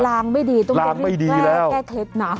ล้างไม่ดีต้องรีบแก้เคล็ดนะ